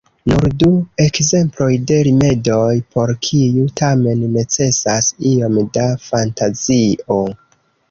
Nur du ekzemploj de rimedoj, por kiuj tamen necesas iom da fantazio.